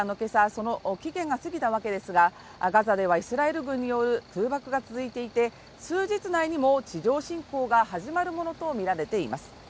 その期限が過ぎたわけですがガザではイスラエル軍による空爆が続いていて数日内にも地上侵攻が始まるものと見られています